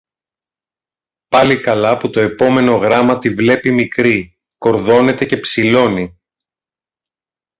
Πάλι καλά που το επόμενο γράμμα τη βλέπει μικρή, κορδώνεται και ψηλώνει